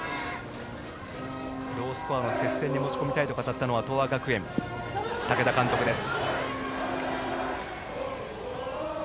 ロースコアの接戦に持ち込みたいと語ったのは東亜学園の武田監督です。